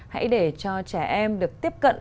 hãy để cho trẻ em được tiếp cận